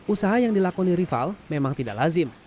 usaha yang dilakoni rival memang tidak lazim